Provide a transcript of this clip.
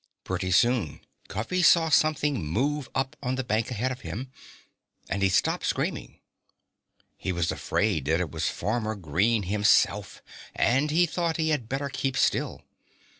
Pretty soon Cuffy saw something move up on the bank ahead of him. And he stopped screaming. He was afraid that it was Farmer Green himself and he thought he had better keep still.